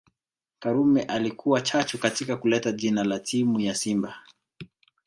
Karume alikuwa chachu katika kuleta jina la timu ya simba